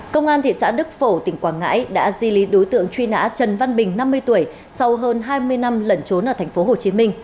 công an thị xã đức phổ tỉnh quảng ngãi đã di lý đối tượng truy nã trần văn bình năm mươi tuổi sau hơn hai mươi năm lẩn trốn ở tp hcm